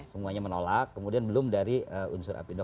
semuanya menolak kemudian belum dari unsur apindo